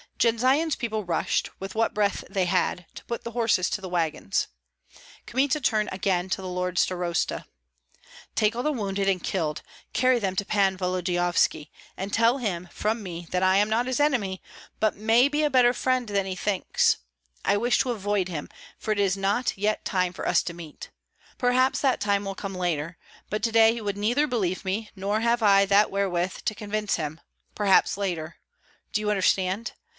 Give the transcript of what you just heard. Jendzian's people rushed, with what breath they had, to put the horses to the wagons. Kmita turned again to the lord starosta, "Take all the wounded and killed, carry them to Pan Volodyovski, and tell him from me that I am not his enemy, but may be a better friend than he thinks. I wish to avoid him, for it is not yet time for us to meet. Perhaps that time will come later; but to day he would neither believe me, nor have I that wherewith to convince him, perhaps later Do you understand?